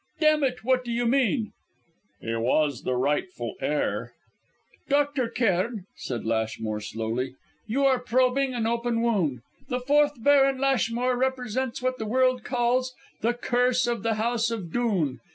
"Damn it! What do you mean?" "He was the rightful heir." "Dr. Cairn," said Lashmore slowly, "you are probing an open wound. The fourth Baron Lashmore represents what the world calls 'The Curse of the House of Dhoon.'